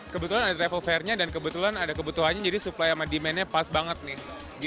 kebetulan ada travel fairnya dan kebetulan ada kebutuhannya jadi supply sama demandnya pas banget nih